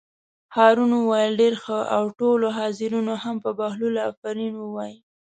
هارون وویل: ډېر ښه او ټولو حاضرینو هم په بهلول آفرین ووایه.